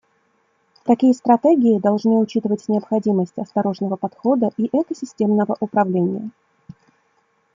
Такие стратегии должны учитывать необходимость осторожного подхода и экосистемного управления.